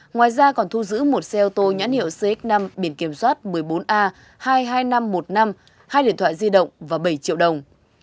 ngoài ra còn thu giữ một xe ô tô nhãn hiệu cx năm biển kiểm soát một mươi bốn a hai mươi hai nghìn năm trăm một mươi năm hai điện thoại di động và bảy triệu đồng